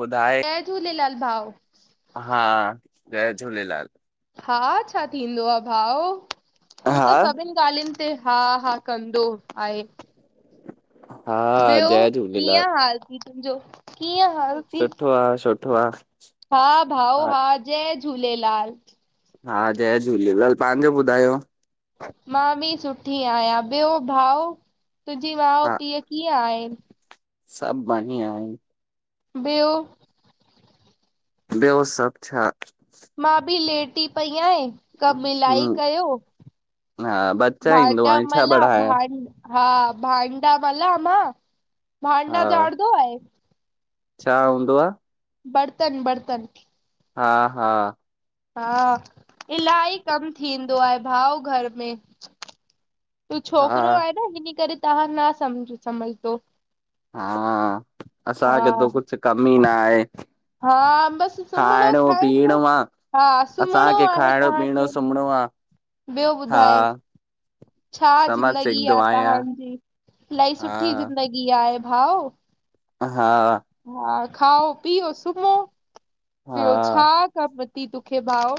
ॿुधाए जय झूलेलाल भाऊ हा जय झूलेलाल हा छा थींदो आहे भाऊ तूं त हा सभिनि ॻाल्हियुनि ते हा हा दो आहे हा ॿियो जय झूलेलाल कीअं हाल अथई तुंहिंजो कीअं हाल सुठो [unintelligible] सुठो आहे हा भाऊ हा जय झूलेलाल हा जय झूलेलाल तव्हा ॿुधायो मां बि सुठी आहियां ॿियो भाऊ। तुंहिंजी माउ हा कीअं आहे। सभु बढ़िया आहिनि ॿियो ॿियो सभु छा मां बि लेटी पई आहियां। कम इलाई हूं कयूं हा बच्चा ईंदो भांडा आ छा पढ़ाया मलियां। हा भांडा मलियां मां हा भांडा चाढींदो आहे छा हूंदो आहे। बर्तन बर्तन हा हा हा इलाही कम थींदो आहे भाऊ घर में। तूं छोकिरो हा आहियो न इन करे तव्हां न समझंदा। हा हा असांखे त कुछ कमु ही न आहे। हा बस सुम्हणो ऐं खाइणो खाइणो। पीअणो आ। हा सुम्हणो असांखे आहे खाइणो तव्हांखे पीअणो सुम्हणो आ ॿियो हा ॿुधाए। छा समझ ज़िंदगी सघंदो आ आहियां तव्हांजी इलाही सुठी हा ज़िंदगी आहे हा भाऊ हा खाओ पीओ सुम्हो हा ॿियो छा कमु अथई तोखे भाऊ।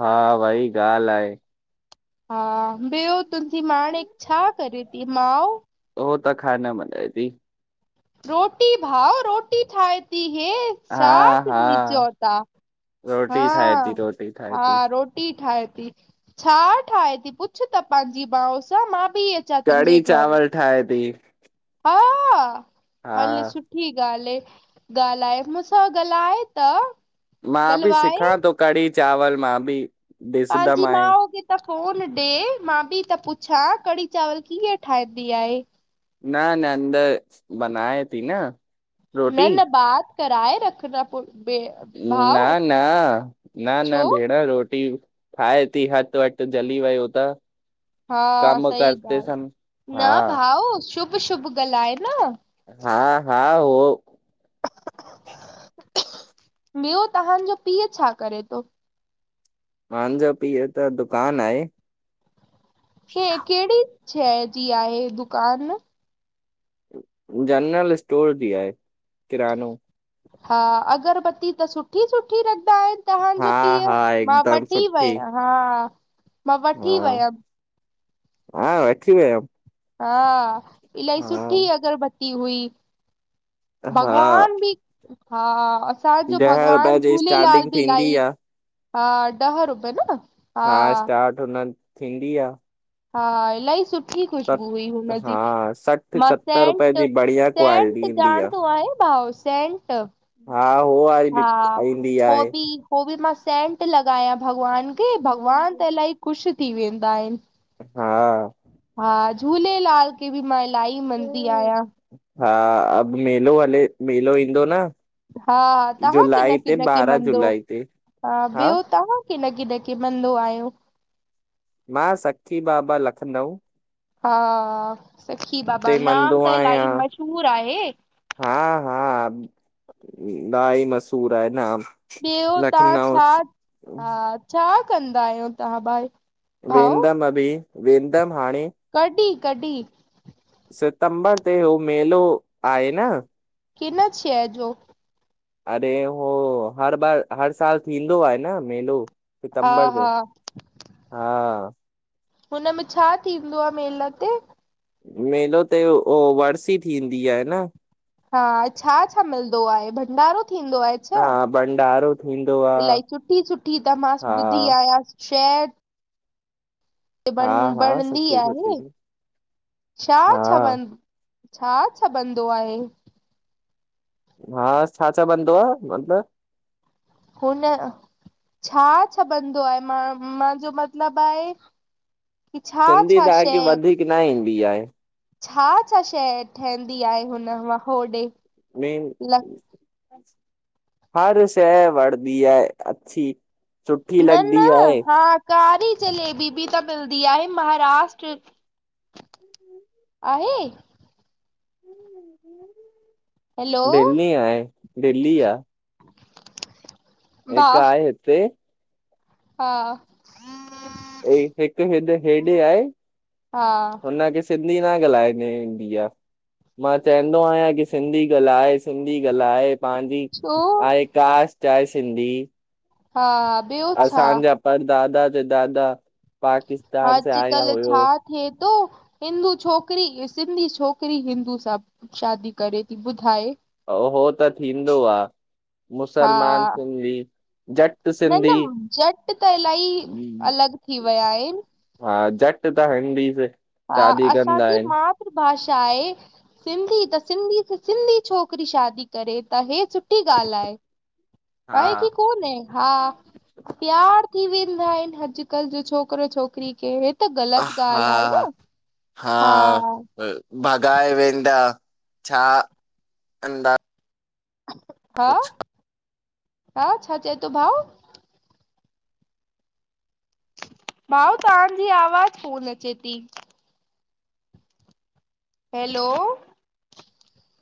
हा भई ॻाल्हि आहे। हा ॿियो तुंहिंजी माउ छा करे थी माउ, हू त खाधो ठाहे थी। रोटी भाउ रोटी ठाहे थी हेै, हा छा हा सिंधी चओ था। हा रोटी ठाहे थी रोटी ठाहे हा थी रोटी ठाहे। छा ठाहे थी पुछ त पंहिंजी माउ खां नथी अचां तुंहिंजे कढ़ी घर चांवर ठाहे थी हा हा हल सुठी ॻाल्हि आहे ॻाल्हाए मूंसां ॻाल्हाए त मां बि गलवाए सिखां थो कढ़ी चावल मां बि तव्हां जी ॾिसंदमि ऐं माउ खे त फोन ॾे मां बि त पुछां कि कढी चावर कीअं ठाहींदी आहे। न न अंदर ठाहे थी न न रोटी न ॻालहाराये पोइ न न न न छो? भेण रोटी ठाहे थी हथ जली वियो त हा कम सही करते सन ॻाल्हि हा आहे भाऊ शुभ शुभ ॻाल्हाए न हा हा उहो ॿियो तव्हांजो पीउ छा करे थो मुंहिंजो पीउ खे त दुकानु आहे कहिड़ी शइ जी आहे दुकान जनरल स्टोर ज आहे किरानो हा अगरबती त सुठी सुठी हा तव्हांजो पीउ हा मां हिकदम वठी सुठी आयी हुअम मां हा वठी वयम हा वेठी विया आहियो हा इहा सुठी अगरबत्ती हुई हा भॻवान बि हा असांजो ॾह रुपए भॻवानु जी झूलेलाल स्टार्टिंग बि थींदी इलाही आ ॾह रुपया जो न हा स्टार्ट हुन थींदी आहे हा इलाही सुठी आहे सुठी ख़ुशबू हुई हुनजी हा सठि मां सतरि रुपए सेंट जी बढ़िया क्वालिटी सेंट ईंदी आ। ॼाणंदो आहियो भाउ सेंट हा हो वारी बि हा ईंदी हो आहे बि हो बि मां सेंट लॻायां भॻवान खे भॻवान त इलाही ख़ुशि थी वेंदा आहिनि हा हा झूलेलाल खे ॿि मां इलाही मञंदी आहियां। हा अब मेलो हले मेलो ईंदो न। हा तव्हां कीन जुलाई ते कीन के ॿारहां मंदो जुलाई ते हा ॿियो तव्हां। किन किन खे मंदो आहियो। मां सखी बाबा लखनऊ हा सखी बाबा हुते मंदो नालो त आहियां इलाही मशहूर आहे हा हा इलाही मशहूर आहे न ॿियो तव्हां छा हा छा कंदा आहियो तव्हां भाई। भाउ वेंदम अभी वेंदम हाणे कॾहिं कॾहिं सितंबर ते हो मेलो आहे न। किन शय जो अरे हो हर बार हर साल थींदो आहे न मेलो। हा सितंबर जो हा हा हुनमें छा थींदो आहे मेला ते मेलो तेह हो वर्सी थींदी आहे न। हा छा छा मिलंदो आहे भंडारो थींदो आहे छा हा भंडारो थींदो आहे इलाही सुठी सुठी त मां हा ॿुधी आयसि [unintelligible] हा बन हा ॿणंदी सुठी सुठी आहे छा हा छा ब छा छा बंदो आहे हा छा छा बंंदो आ मतलब हुन छा छा बंदो आहे मां मांॼो मतलबु आहे की छा सिंधी छा तव्हांखे शइ वधीक न ईंदी आहे। छा छा शय ठहंदी आहे हुन वा होॾे मेन ल हर शइ वढदी आहे अच्छी सुठी न न लॻदी आहे हा कारी जलेबी ॿि त मिलदी आहे महाराष्ट्र आहे हैलो दिल्ली आहे दिल्ली आहे हिक भाउ आहे हिते हा हिकु हिड हेॾे आहे हा हुन खे सिंध [unintelligible] सिंधी न ॻाल्हाइण इंदी आ [unintelligible] मां चेंदो आहियां की सिंधी ॻल्हाए सिंधी ॻल्हाए। पंहिंजी छो आहे कास्ट आहे सिंधी। हा ॿियो छा असांजा परदाादा जा दादा पाकिस्तान से आया अॼकल हुयो छा थिए तो। हिंदू छोकिरी सिंधी छोकिरी हिंदू सां शादी करे थी ॿुधाए। हो त थींदो आ हा मुसलमान सिंधी। जट न सिंधी न झट त इलाही अलॻि थी विया आहिनि। हा झट त हंदीस [unintelligible] हा असांजी मातृभाषा आहे सिंधी त सिंधी छोकरी शादी करे त हे। सुठी ॻाल्हि आहे, आहे की हा कोन हा प्यारु थी [unintelligible] [unintelligible] अॼकल्ह जो छोकिरो छोकिरी खे हे त ग़लति ॻाल्हि आहे हा न। हा बगाए वेंदा छा [unintelligible] हा कुछ [inaudible] हा छा चए थो भाऊ भाऊ तव्हांजी आवाज कोन अचे थी हैलो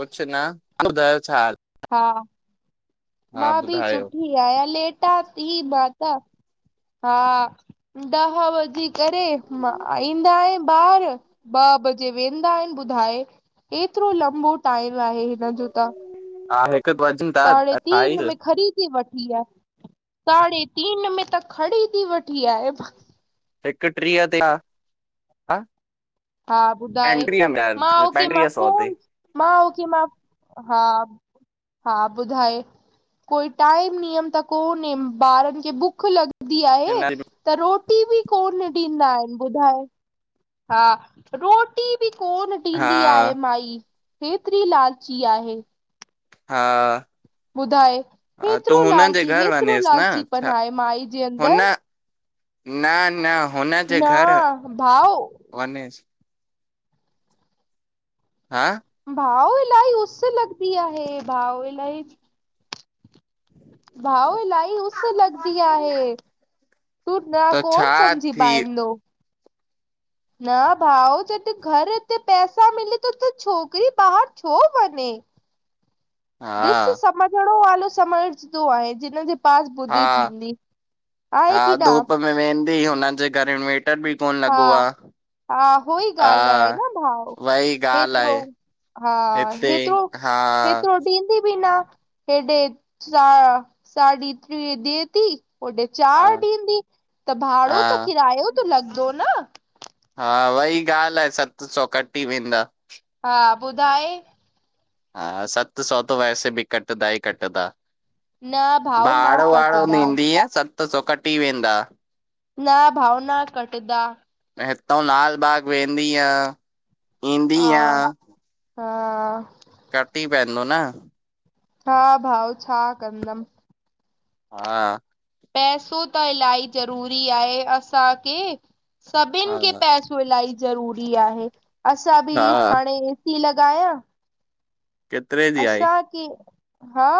कुझ न [unintelligible] ॿुधायो छा हाल हा मां बि ॿुधायो। सुठी आहियां लेटा थी मां। त [unintelligible] हा ॾह बजे ईंदा आहिनि ॿार, ॿ बजे वेंदा आहिनि ॿुधाए एतिरो लंबो टाइम [unintelligible] हिननजो त हा हिकु वजन था अठाईस [unintelligible] खरीदी वठ साढे टी में त खणी वठी आहे हिकु ट्रीह ते हा हा ॿुधाए पंटीह में यार, मां पंटीह सौ फोन ते मां हा [inaudible] हा ॿुधाए कोई टाइम नियम त कोन्हे ॿारनि खे भुख लॻंदी हिन आहे त रोटी बि कोन ॾींदा आहिनि ॿुधायो हा रोटी बि कोन हा ॾींदी आहे माई हेतिरी लालची आहे हा, ॿुधाए हा तूं हेतिरो हुननि जे लालची घर हेतिरो वञेसि न लालचीपन छा आहे माई जे हुन अंदरि। [inaudible] न न हुनजे घर न भाउ वञेस्। हं, भाऊ इलाही उस लॻंदी आहे भाऊ इलाही। भाऊ इलाही उस लॻंदी आहे। तूं न त छा कोन समझी थी सघंदे न भाऊ जॾहिं घर में पैसा मिलनि त त छोकिरी ॿाहिर छो वञे। डिस हा समझण वारो समझंदो आहे जिन जे। फास्ट हा ॿुधि थींदी आहे कि न। हिते हुन जे घर इनवेटर बि कोन हा लॻो आहे। हा उहा ई ॻाल्हि आहे न भाऊ वई ॻाल्हि हेतिरो। आहे हा हिते हेतिरो हा हेतिरो ॾींदी बि न। हेॾां साढा टे ॾिए थी। होॾे हा चार ॾींदी त हा भाड़ो त किरायो त लॻंदो न। हा वई ॻाल्हि आहे सत सौ कटी वेंदा। हा ॿुधाए। हा सत सौ त वैसे बि कटन्दा ई कटन्दा। न भाव न भाड़ो वाड़ो कटदा ॾींदीअ त सत सौ कटी वेंदा न भाऊ न कटंदा। हितो लाल बाग वेंदी ईंदी। हा हा, कट ई पवंदो न हा भाऊ छा कंदम। हा, पैसो त इलाही ज़रूरी आहे असांखे। हा सभिनि खे पैसो इलाही ज़रूरी आहे असां बि हा हाणे ए सी। ॻांया [unintelligible] केतिरे जी आई? असांखे हा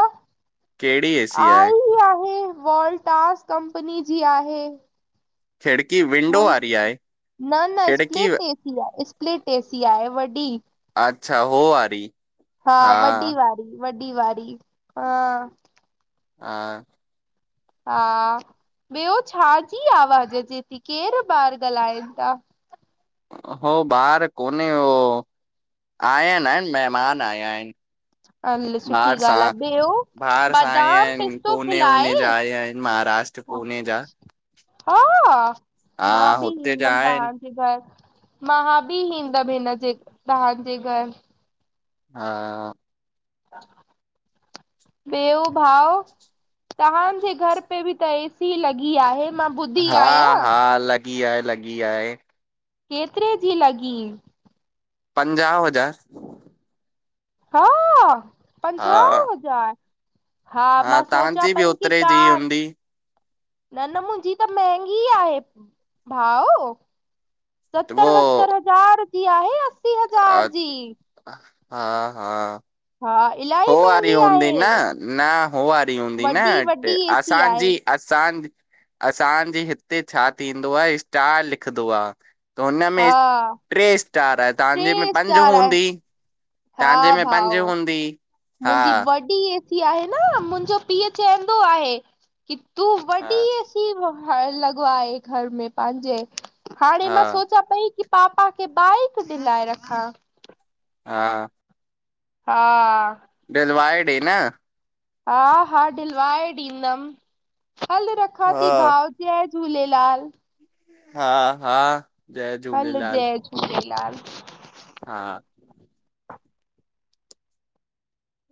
कहिड़ी एसी आहे आई आहे। वॉल्टास कंपनी जी आहे। खिड़की विंडो वारी आहे न न खिड़की स्पिलेटएसी स्पिलेटएसी आहे वॾी। अच्छा हो वारी। हा वॾी वारी वॾी वारी हां। [inaudible] हा। ॿियो छा जी आवाज़ु अचे थी केरु ॿार ॻाल्हाइनि था। हो ॿार कोन्हे हो आया आहिनि महिमान आया आहिनि। हल सुठी बाहिर सां ॻाल्हि आहे ॿियो बाहिर सां आया बादाम आहिनि पिस्तो पुने खिलाए उने जा आया आहिनि। महाराष्ट्र पुने जा। हा! हा मां बि हुते जा ईंदम आहिनि तव्हांजे घर। मा बि ईंदम हिन जे तव्हांजे घर। हा। ॿेियो भाउ तव्हांजे घर पे बि त एसी लॻी आहे। मां ॿुधी हा आहियां हा लॻी आहे लॻी आहे। केतिरे जी लॻी। पंजाहु हज़ार। हा! पंजाहु हा हजार। हा, मां सोचां तव्हांजी बि पई की ओतिरे जी कार। हूंदी न न मुंहिंजी त महेंगी आहे भाउ। सतरि वतरि हज़ार जी आहे। अ, हज़ार जी हा हा। हा हो इलाही वारी महांगी हूंदी आहे न, न, हो वारी हूंदी न वॾी वॾी एसी आहे असांजी असां असांजे हिते छा थींदो आहे स्टार लिखंदो आहे। त हुनमें हा ट्रे स्टार आहे, टे तव्हांजे में पंज स्टार आहे हूंदी। त्वहांजेे हा में पंज भाऊ हूंदी। हा मुंहिंजी वॾी एसी आहे न, मुंहिंजो पीउ चवंदो आहे। की तूं हा वॾी असीं लॻवा घर में पंहिंजे हाणे मां हा सोचां पई की पापा खे बाइक दिलाए रखा। हा। हाँ। दिलवाए डे न। हा हा डढिलवाए ॾींदमि, हल रखां हा थी भाव च झूलेलाल। हाँ हाँ। हल जय झूलेलाल। हाँ।